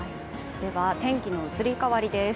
天気の移り変わりです。